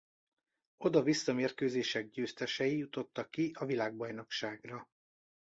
Oda-vissza mérkőzések győztesei jutottak ki a világbajnokságra.